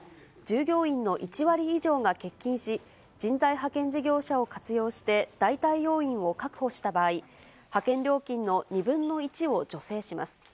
従業員の１割以上が欠勤し、人材派遣事業者を活用して代替要員を確保した場合、派遣料金の２分の１を助成します。